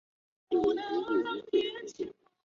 谭芷翎是香港戏剧演员。